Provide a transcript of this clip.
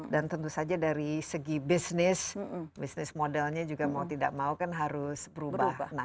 dan tentu saja dari segi bisnis bisnis modelnya juga mau tidak mau kan harus berubah